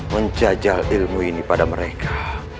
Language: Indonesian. menjajal ilmu ini pada mereka